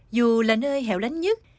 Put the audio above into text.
dù là nơi hẹo lánh nhất